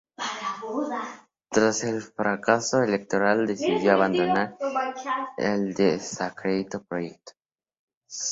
Tras el fracaso electoral decidió abandonar el desacreditado proyecto.